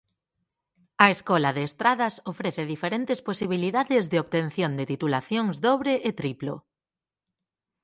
A Escola de Estradas ofrece diferentes posibilidades de obtención de titulacións dobre e triplo.